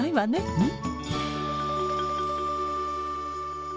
うん。